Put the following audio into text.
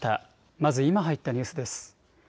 まず今入ったニュースです。